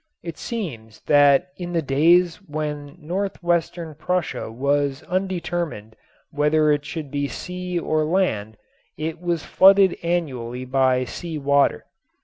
It seems that in the days when northwestern Prussia was undetermined whether it should be sea or land it was flooded annually by sea water.